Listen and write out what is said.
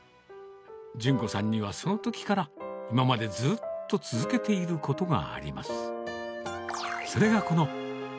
順子さんには、そのときから今までずっと続けていることがあります。